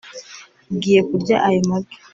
ugiye kurya ayo magi